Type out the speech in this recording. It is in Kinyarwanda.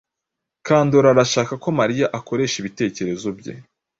Kandora arashaka ko Mariya akoresha ibitekerezo bye.